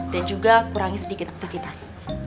dan juga kurangi sedikit aktivitas